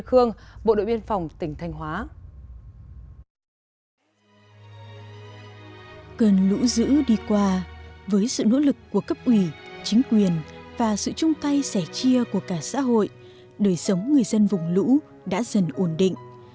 hôm qua với sự nỗ lực của cấp ủy chính quyền và sự chung tay sẻ chia của cả xã hội đời sống người dân vùng lũ đã dần ổn định